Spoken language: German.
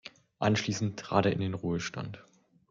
Anschließend trat er in den Ruhestand.